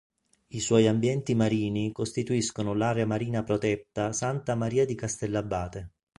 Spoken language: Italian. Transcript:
I suoi ambienti marini costituiscono l'area marina protetta Santa Maria di Castellabate.